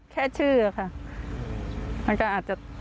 แค่ชื่ออะค่ะมันก็อาจจะ